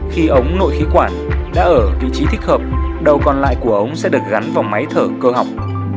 khi ống nội khí quản đã ở vị trí thích hợp đầu còn lại của ống sẽ được gắn vào máy thở cơ học